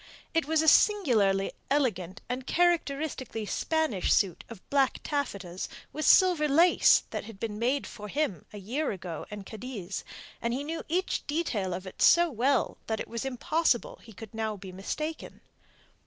It was a singularly elegant and characteristically Spanish suit of black taffetas with silver lace that had been made for him a year ago in Cadiz, and he knew each detail of it so well that it was impossible he could now be mistaken.